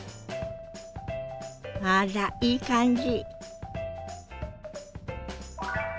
あらいい感じ。